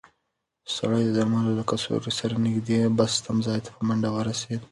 سړی د درملو له کڅوړې سره د نږدې بس تمځای ته په منډه ورسېد.